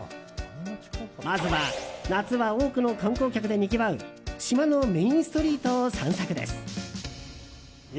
まずは、夏は多くの観光客でにぎわう島のメインストリートを散策です。